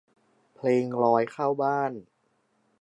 เพลงลอยเข้าบ้าน